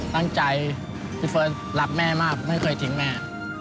ตั้งใจพี่เฟิร์สรักแม่มากไม่เคยทิ้งแม่